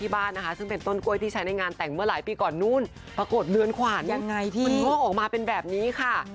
มันกล้องออกมาเป็นแบบนี้ค่ะ